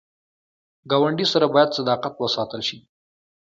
ګاونډي سره باید صداقت وساتل شي